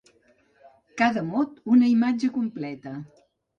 Cada mot, una imatge completa.